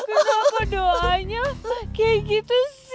kenapa doanya kayak gitu sih